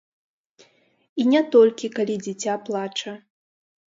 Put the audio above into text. І не толькі калі дзіця плача.